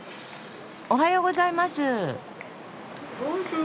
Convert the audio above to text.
おはようございます。